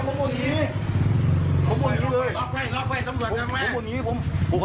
เออเดี๋ยวคำว่าอย่างนึงแหละ